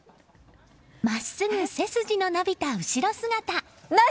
真っすぐ背筋の伸びた後ろ姿。